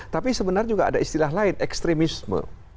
tapi sebenarnya juga ada istilah lain ekstremisme